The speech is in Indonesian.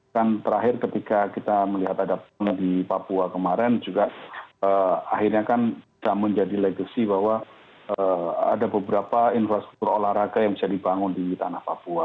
dan terakhir ketika kita melihat ada pembangunan di papua kemarin juga akhirnya kan kita menjadi legacy bahwa ada beberapa infrastruktur olahraga yang bisa dibangun di tanah papua